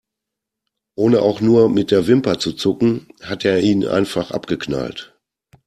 Ohne auch nur mit der Wimper zu zucken, hat er ihn einfach abgeknallt.